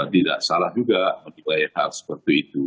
tidak salah juga memiliki hal seperti itu